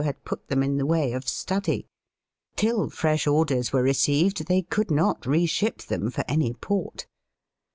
had put them in the way of study: till fresh orders were received, they could not reship them for any port.